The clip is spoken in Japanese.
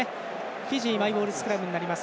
フィジーマイボールスクラムになります。